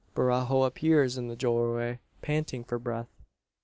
Barajo appears in the doorway panting for breath.